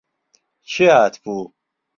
کێ هاتبوو؟